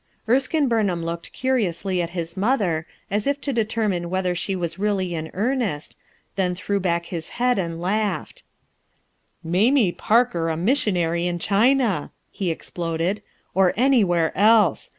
Erskine Bumham looked curiously at liis 240 RUTH ERSKINE'S SON mother, as if to determine whether she was really in earnest, then threw back his head and laughed* "Mamie Parker a miasionary in China 1" he exploded, "or anywhere else!